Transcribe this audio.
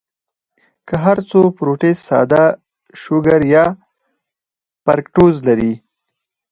کۀ هر څو فروټس ساده شوګر يا فرکټوز لري